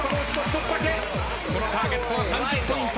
このターゲットは３０ポイント。